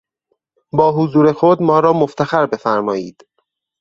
با حضور خود ما را مفتخر بفرمایید.